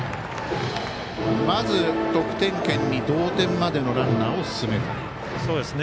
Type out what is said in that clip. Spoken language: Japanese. まず得点圏に同点までのランナーを進めたい。